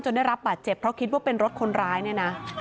ได้รับบาดเจ็บเพราะคิดว่าเป็นรถคนร้ายเนี่ยนะ